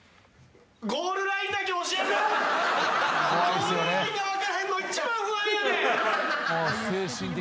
ゴールラインが分からへんの一番不安やねん。